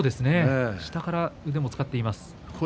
下から腕も使っています。